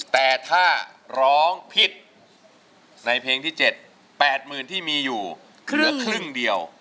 แต่ถ้าร้องผิดในเพลงที่๗๘๐๐๐ที่มีอยู่เหลือครึ่งเดียว